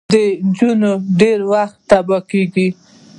د نجلۍ به ډېر وخت تبې کېدې.